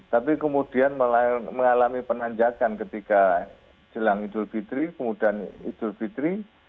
tapi kemudian mengalami penanjakan ketika jelang idul fitri kemudian idul fitri